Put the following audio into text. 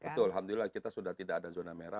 betul alhamdulillah kita sudah tidak ada zona merah